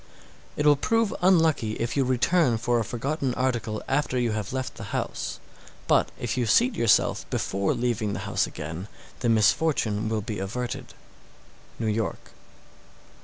_ 658. It will prove unlucky if you return for a forgotten article after you have left the house; but if you seat yourself before leaving the house again, the misfortune will be averted. _New York.